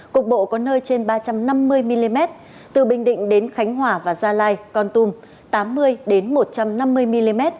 cục bộ có nơi trên ba trăm năm mươi mm từ bình định đến khánh hòa và gia lai con tum tám mươi một trăm năm mươi mm